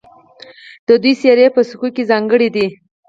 د دوی څیرې په سکو کې ځانګړې دي